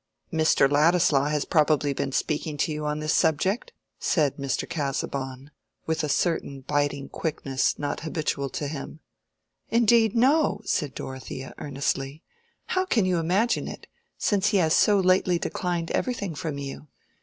"Mr. Ladislaw has probably been speaking to you on this subject?" said Mr. Casaubon, with a certain biting quickness not habitual to him. "Indeed, no!" said Dorothea, earnestly. "How can you imagine it, since he has so lately declined everything from you?